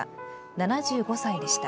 ７５歳でした。